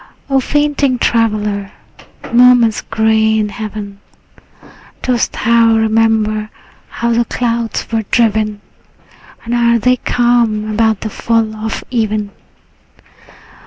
O fainting traveller, morn is gray in heaven. Dost thou remember how the clouds were driven? And are they calm about the fall of even?